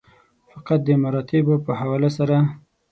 فقط د مراتبو په حواله سره.